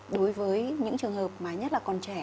đối với những trường hợp mà nhất là còn trẻ